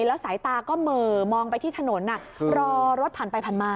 แล้วสายตาก็เหม่อมองไปที่ถนนรอรถผ่านไปผ่านมา